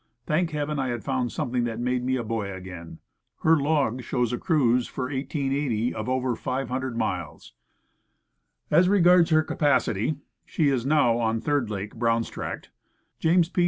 Thank Heaven, I had found something that made me a boy again. Her log shows a cruise for 1880 of over 550 miles. As regards her capacity (she is now on Third Lake, Brown's Tract), James P.